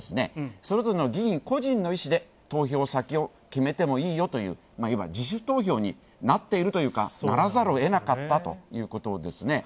それぞれの議員個人の意思で投票先を決めてもいいよという自主投票になっているというかならざるをえなかったということですね。